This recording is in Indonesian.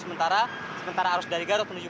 sementara arus dari garut menuju